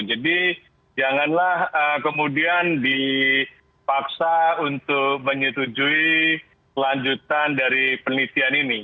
jadi janganlah kemudian dipaksa untuk menyetujui lanjutan dari penelitian ini